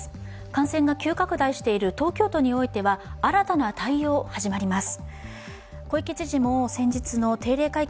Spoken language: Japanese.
感染が急拡大している東京都においては、新たな対応が始まります。